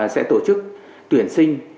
sẽ tổ chức tuyển sinh